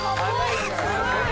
すごい！